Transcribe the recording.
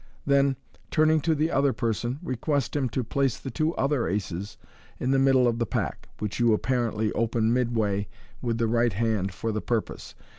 Then, turning to the other person, request him to place the two other aces in the middle of the pack, which you (apparently) open midway with the right hand for the purpose.